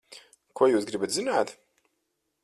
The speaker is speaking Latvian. Ko jūs gribat zināt?